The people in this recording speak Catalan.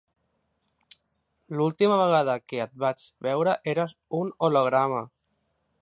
L'última vegada que et vaig veure eres un holograma.